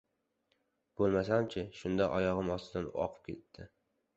— Bo‘lmasam-chi! Shunday oyog‘im ostidan oqib o‘tdi!